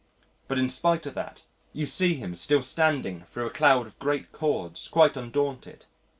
But in spite of that, you see him still standing thro' a cloud of great chords, quite undaunted.